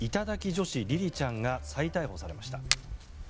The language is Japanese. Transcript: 女子りりちゃんが再逮捕されました。